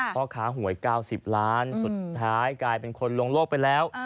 พ่อค้าหวย๙๐ล้านสุดท้ายกลายเป็นคนลงโลกไปแล้ว